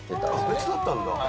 別だったんだ。